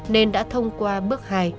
nên đã thông qua bước hai